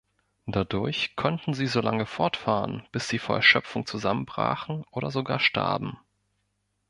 Dadurch konnten sie so lange fortfahren, bis sie vor Erschöpfung zusammenbrachen oder sogar starben.